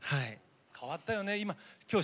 変わったよね、今。